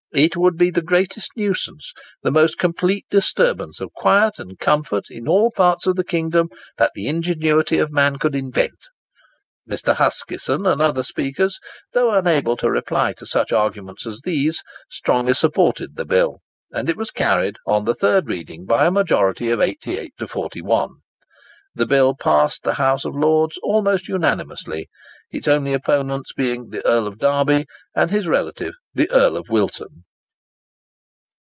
It would be the greatest nuisance, the most complete disturbance of quiet and comfort in all parts of the kingdom, that the ingenuity of man could invent!" Mr. Huskisson and other speakers, though unable to reply to such arguments as these, strongly supported the bill; and it was carried on the third reading by a majority of 88 to 41. The bill passed the House of Lords almost unanimously, its only opponents being the Earl of Derby and his relative the Earl of Wilton.